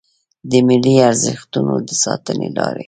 د ملي ارزښتونو د ساتنې لارې